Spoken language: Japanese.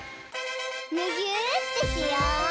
むぎゅーってしよう！